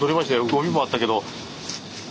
ゴミもあったけど。